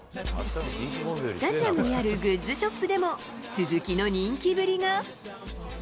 スタジアムにあるグッズショップでも、鈴木の人気ぶりが。